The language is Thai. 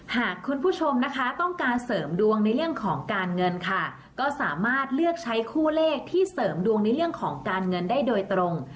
หากคุณผู้ชมนะคะต้องการเสริมดวงในเรื่องของการเงินค่ะก็สามารถเลือกใช้คู่เลขที่เสริมดวงในเรื่องของการเงินได้โดยตรง